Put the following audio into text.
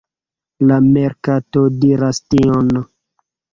La merkato diras tion.